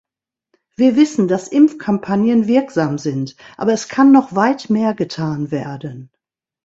Wir wissen, dass Impfkampagnen wirksam sind, aber es kann noch weit mehr getan werden.